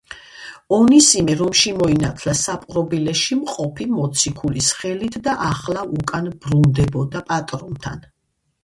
ონისიმე რომში მოინათლა საპყრობილეში მყოფი მოციქულის ხელით და ახლა უკან ბრუნდებოდა პატრონთან.